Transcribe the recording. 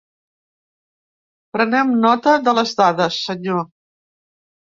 Prenem nota de les dades, senyor.